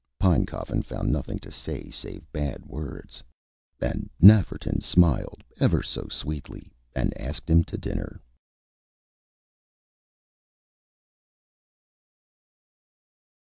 Pinecoffin found nothing to say save bad words; and Nafferton smiled ever so sweetly, and asked him to dinner.